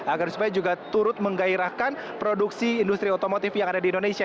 agar supaya juga turut menggairahkan produksi industri otomotif yang ada di indonesia